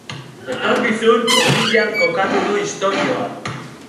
Etorkizun hurbilean kokatu du istorioa.